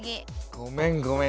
ごめんごめん。